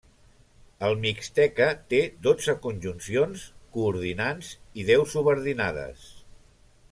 El mixteca té dotze conjuncions, coordinants i deu subordinades.